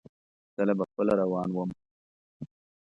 کله به خپله روان ووم.